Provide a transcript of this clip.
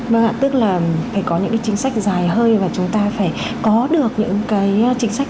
vâng ạ tức là phải có những cái chính sách dài hơi và chúng ta phải có được những cái chính sách